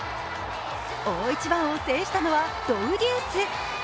大一番を制したのはドウデュース。